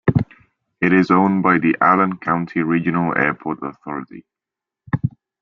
It is owned by the Allen County Regional Airport Authority.